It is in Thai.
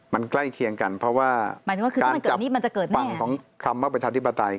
มันใกล้เคียงกันเพราะว่าการจับฝั่งของคำว่าประชาธิปไตย